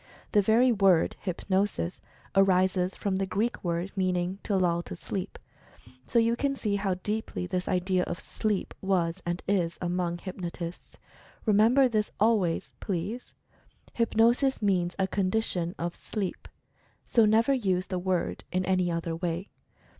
The very word "Hypnosis" arises from the Greek word meaning "to lull to sleep," so 36 Mental Fascination you can see how deeply this idea of "sleep" was and is, among hypnotists. Remember this, always, please — HYPNOSIS MEANS A CONDITION OF SLEEP, so never use the word in any other way.